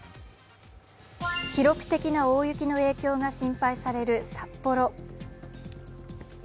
記録的な大雪の影響が心配される札幌。